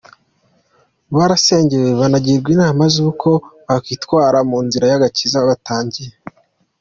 barasengewe banagirwa inama zuko bakwitwara munzira yagakiza batangiye.